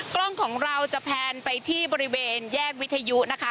กล้องของเราจะแพนไปที่บริเวณแยกวิทยุนะคะ